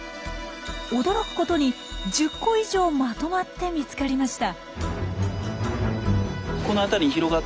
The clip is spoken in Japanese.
驚くことに１０個以上まとまって見つかりました。